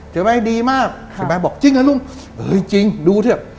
ชัยไม่ดีมากชัยไม่บอกจริงเหรอลุงเอ้ยจริงดูเถอะ